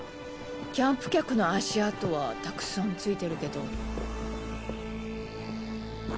キャンプ客の足跡はたくさんついてるけど。